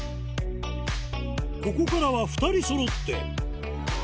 ここからは２人そろって